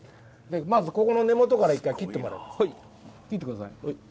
まずここの根元から一回切ってもらいます。